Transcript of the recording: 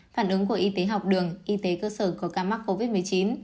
phản ứng của y tế học đường y tế cơ sở có ca mắc covid một mươi chín